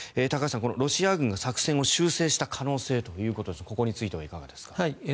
高橋さん、ロシア軍が作戦を修正した可能性ということですがここについてはいかがですか。